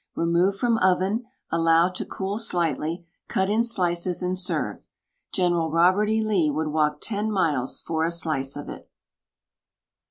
Remove from oven, allow to cool slightly, cut in slices and serve. General Robert E. Lee would walk ten miles for a slice of it.